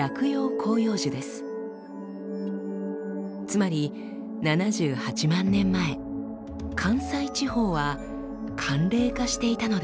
つまり７８万年前関西地方は寒冷化していたのです。